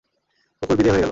কুকুর বিদেয় হয়ে গেল।